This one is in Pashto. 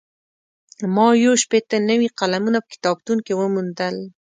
ما یو شپېته نوي قلمونه په کتابتون کې وموندل.